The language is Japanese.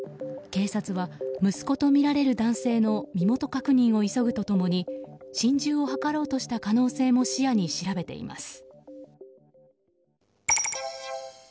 警察は息子とみられる男性の身元確認を急ぐと共に、心中を図ろうとした可能性も視野に調べています。